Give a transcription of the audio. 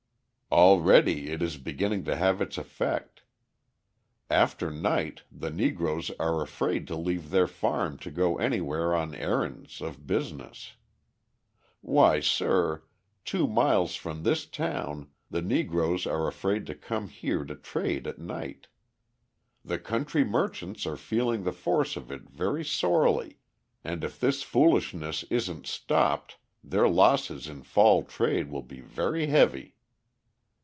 Already it is beginning to have its effect. After night the Negroes are afraid to leave their farm to go anywhere on errands of business. Why, sir, two miles from this town, the Negroes are afraid to come here to trade at night. The country merchants are feeling the force of it very sorely, and if this foolishness isn't stopped their losses in fall trade will be very heavy.